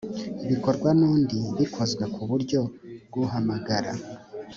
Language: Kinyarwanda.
bikorwa n’undi bikozwe ku buryo bw’uhamagara